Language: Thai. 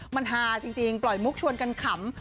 มันฮาจริงปล่อยมุกชวนกันขำ